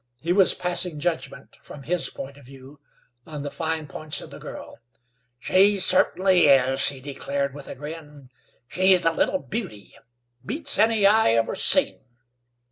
He was passing judgment, from his point of view, on the fine points of the girl. "She cer'aintly is," he declared with a grin. "She's a little beauty. Beats any I ever seen!"